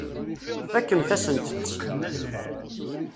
Tfakemt-asent-tt.